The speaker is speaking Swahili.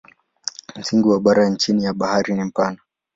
Msingi wa bara chini ya bahari ni mpana.